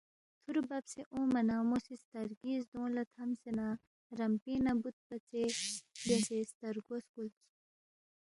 تھُورُو ببسے اونگما نہ مو سی سترگی زدونگ لہ تھمسے نہ رمپِنگ نہ بُود پژے بیاسے سترگو سکُولس